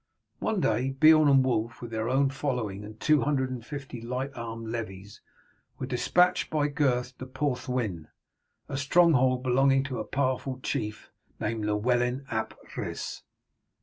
One day Beorn and Wulf, with their own following and two hundred and fifty light armed levies, were despatched by Gurth to Porthwyn, a stronghold belonging to a powerful chief named Llewellyn ap Rhys.